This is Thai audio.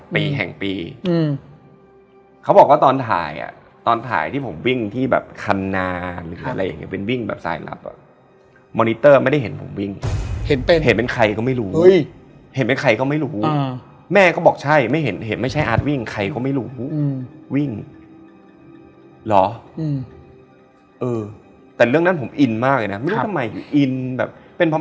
คืออันนี้ก็เป็นอีกแล้วจำได้ในฝันว่า